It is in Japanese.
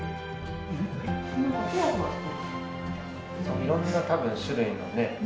いろんな多分種類のね